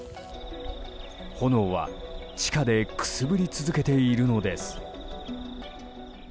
炎は地下でくすぶり続けているのです。